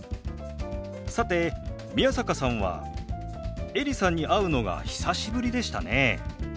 さて宮坂さんはエリさんに会うのが久しぶりでしたね。